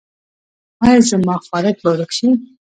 ایا زما خارښ به ورک شي؟